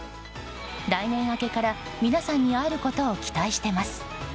来年明けから、皆さんに会えることを期待しています。